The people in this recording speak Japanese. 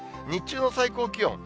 日中の最高気温。